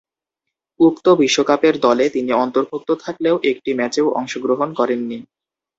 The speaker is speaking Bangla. উক্ত বিশ্বকাপের দলে তিনি অন্তর্ভুক্ত থাকলেও একটি ম্যাচেও অংশগ্রহণ করেননি।